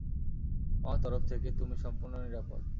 আমার তরফ থেকে তুমি সম্পূর্ণ নিরাপদ।